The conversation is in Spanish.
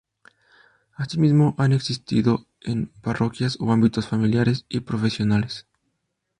Asimismo, han existido en Parroquias o ámbitos familiares y profesionales.